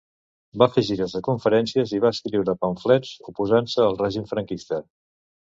Va fer gires de conferències i va escriure pamflets oposant-se al règim franquista.